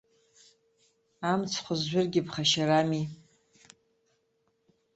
Амцхә зжәыргьы ԥхашьарами.